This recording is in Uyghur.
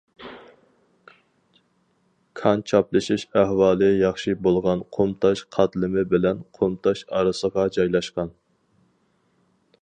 كان چاپلىشىش ئەھۋالى ياخشى بولغان قۇم تاش قاتلىمى بىلەن قۇم تاش ئارىسىغا جايلاشقان.